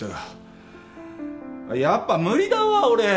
やっぱ無理だわ俺。